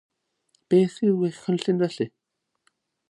Beth yw eich cynllun, felly?